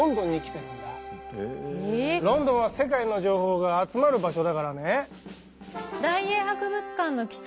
ロンドンは世界の情報が集まる場所だからね。